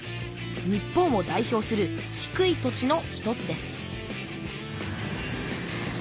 日本を代表する低い土地の一つです